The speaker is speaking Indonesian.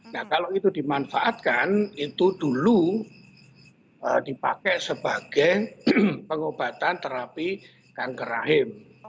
nah kalau itu dimanfaatkan itu dulu dipakai sebagai pengobatan terapi kanker rahim